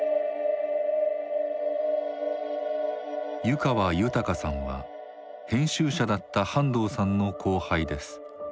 湯川豊さんは編集者だった半藤さんの後輩です。